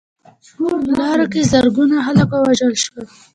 په لاره کې زرګونه خلک ووژل شول.